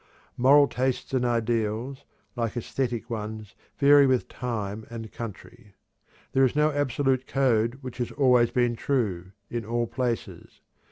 Moral tastes and ideals, like æsthetic ones, vary with time and country. There is no absolute code which has been always true, in all places.